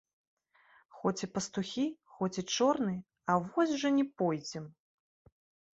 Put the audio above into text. Хоць і пастухі, хоць і чорныя, а вось жа не пойдзем!